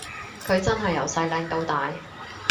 佢真係由細靚到大